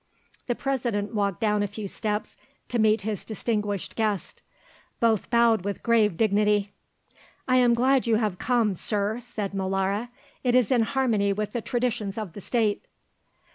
The President walked down a few steps to meet his distinguished guest. Both bowed with grave dignity. "I am glad you have come, Sir," said Molara; "it is in harmony with the traditions of the State."